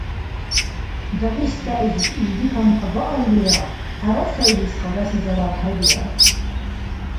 Дагъистайзиб илди камкабааллира, ГӀярасайлис халаси зарал хӀебирар…